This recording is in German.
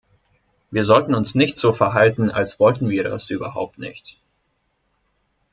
Wir sollten uns nicht so verhalten, als wollten wir das überhaupt nicht.